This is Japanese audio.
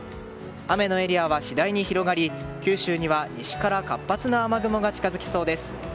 雨のエリアは次第に広がり九州には西から活発な雨雲が近づきそうです。